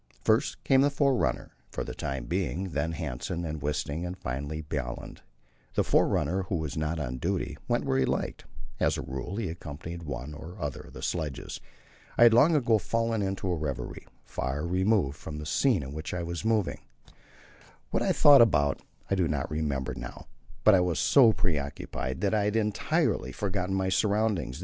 First came the forerunner for the time being, then Hanssen, then Wisting, and finally Bjaaland. The forerunner who was not on duty went where he liked; as a rule he accompanied one or other of the sledges. I had long ago fallen into a reverie far removed from the scene in which I was moving; what I thought about I do not remember now, but I was so preoccupied that I had entirely forgotten my surroundings.